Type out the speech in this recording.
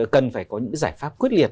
cần phải có những giải pháp quyết liệt